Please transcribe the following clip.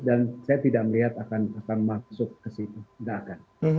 dan saya tidak melihat akan masuk ke situ tidak akan